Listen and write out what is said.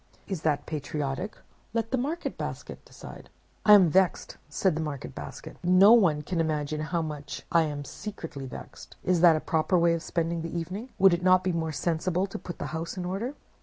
Is that patriotic? Let the Market Basket decide.' "'I am vexed,' said the Market Basket. 'No one can imagine how much I am secretly vexed. Is that a proper way of spending the evening? Would it not be more sensible to put the house in order?